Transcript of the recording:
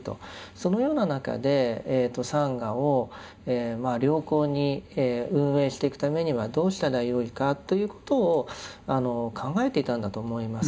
そのような中でサンガを良好に運営していくためにはどうしたらよいかということを考えていたんだと思います。